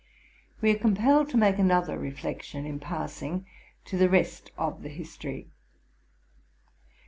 We are compelled to make another reflection in passing to the rest of the history.